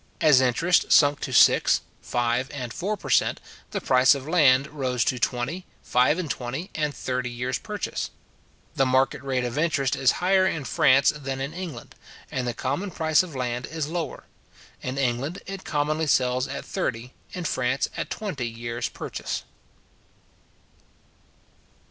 As interest sunk to six, five, and four per cent. the price of land rose to twenty, five and twenty, and thirty years purchase. The market rate of interest is higher in France than in England, and the common price of land is lower. In England it commonly sells at thirty, in France at twenty years purchase.